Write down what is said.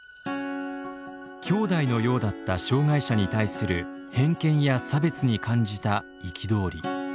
きょうだいのようだった障害者に対する偏見や差別に感じた憤り。